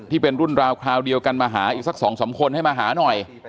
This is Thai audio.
ที่เป็นรุ่นราวคราวเดียวกันมาหาอีกสัก๒๓คนให้มาหาหน่อย